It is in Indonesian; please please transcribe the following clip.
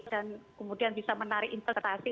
dan kemudian bisa menarik investasi